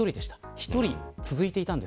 １人が続いていたんです。